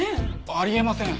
あり得ません！